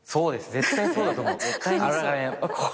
絶対そうだと思う。